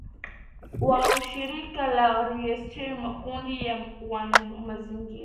wa shirika la Reuters Makundi ya wana mazingira